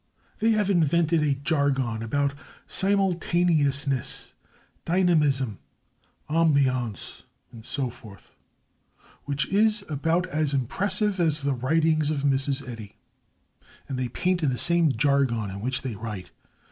They have invented a jargon about "simultaneousness," "dynamism," "ambience," and so forth, which is about as impressive as the writings of Mrs Eddy; and they paint in the same jargon in which they write.